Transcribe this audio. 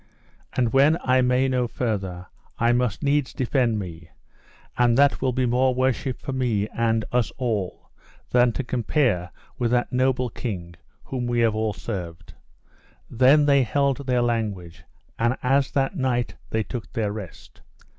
And when I may no further, I must needs defend me, and that will be more worship for me and us all than to compare with that noble king whom we have all served. Then they held their language, and as that night they took their rest.